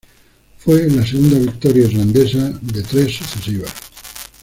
Fue la segunda victoria irlandesa de tres sucesivas.